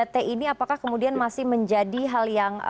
tiga t ini apakah kemudian masih menjadi hal yang